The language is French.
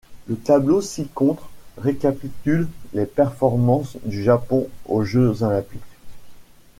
Le tableau ci-contre récapitule les performances du Japon aux Jeux olympiques.